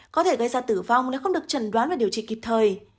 có thể gây ra tử vong nếu không được trần đoán và điều trị kịp thời